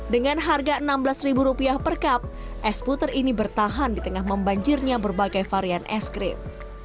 dengan harga rp enam belas per cup es puter ini bertahan di tengah membanjirnya berbagai varian es krim